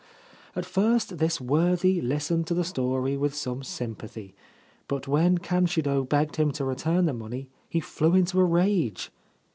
At first this worthy listened to the story with some sympathy ; but when Kanshiro begged him to return the money he flew into a rage.